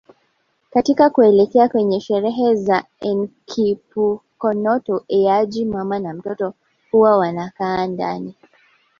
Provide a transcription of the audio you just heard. Katika kuelekea kwenye sherehe za Enkipukonoto Eaji mama na mtoto huwa wanakaa ndani